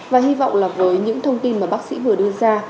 và hy vọng là với những thông tin mà bác sĩ vừa đưa ra